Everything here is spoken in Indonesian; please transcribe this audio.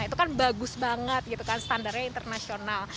itu kan bagus banget gitu kan standarnya internasional